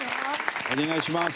お願いします。